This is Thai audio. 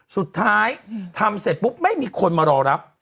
สุดท้ายอืมทำเสร็จปุ๊บไม่มีคนมารอรับ